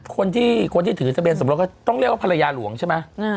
คนที่ถือสำเร็จสมุดก็ต้องเรียกว่าภรรยาหลวงใช่ไหม